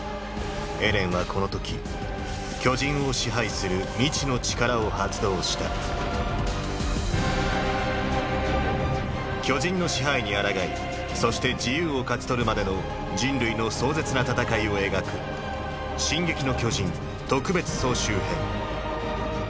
エレンはこの時巨人を支配する未知の力を発動した巨人の支配に抗いそして自由を勝ち取るまでの人類の壮絶な戦いを描く「進撃の巨人特別総集編」。